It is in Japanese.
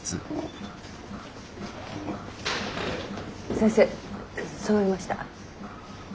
先生そろいました。